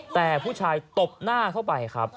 แต่ผู้ชายตบหน้าเข้าไปครับ